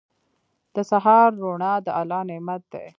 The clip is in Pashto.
• د سهار روڼا د الله نعمت دی.